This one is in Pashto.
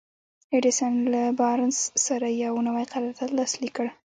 ايډېسن له بارنس سره يو نوی قرارداد لاسليک کړ.